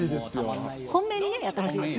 本命にやってほしいですね。